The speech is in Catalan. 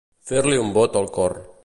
Fer-li un bot el cor.